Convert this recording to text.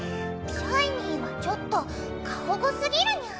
シャイニーはちょっと過保護すぎるニャン。